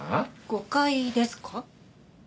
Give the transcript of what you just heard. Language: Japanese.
誤解ですか？